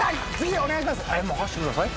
「任せてください」